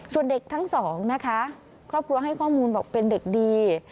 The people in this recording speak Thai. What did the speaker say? ส่วนเด็กทั้งสองนะคะครอบครัวให้ข้อมูลบอกเป็นเด็กดี